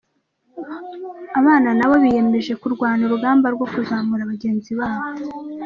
Abana na bo biyemeje kurwana urugamba rwo kuzamura bagenzi babo